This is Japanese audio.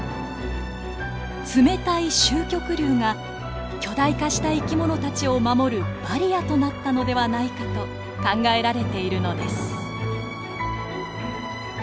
冷たい周極流が巨大化した生き物たちを守るバリアとなったのではないかと考えられているのです。